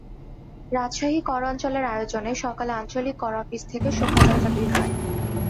রাজশাহী কর অঞ্চলের আয়োজনে সকালে আঞ্চলিক কর অফিস থেকে শোভাযাত্রা বের হয়।